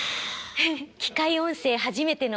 機械音声初めての。